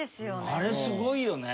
あれすごいよね。